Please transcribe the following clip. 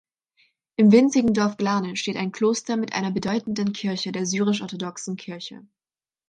Im winzigen Dorf Glane steht ein Kloster mit einer bedeutenden Kirche der Syrisch-Orthodoxen Kirche.